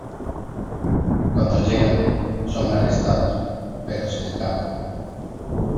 Cuando llegan, son arrestados, pero se escapan.